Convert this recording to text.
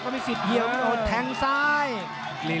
ถ้าไม่ยุบเนี่ยเกงสีแดงเหนื่อยเลย